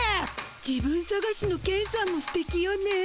自分さがしのケンさんもすてきよね。